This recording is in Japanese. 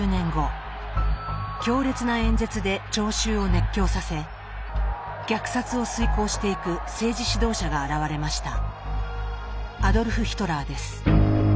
強烈な演説で聴衆を熱狂させ虐殺を遂行していく政治指導者が現れました。